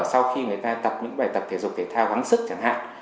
sau khi người ta tập những bài tập thể dục thể thao gắn sức chẳng hạn